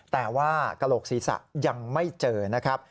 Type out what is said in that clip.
แต่ว่ากระโหลกศีรษะยังไม่เจอนะครับ